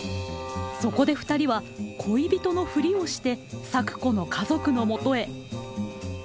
そこでふたりは恋人のフリをして咲子の家族のもとへ。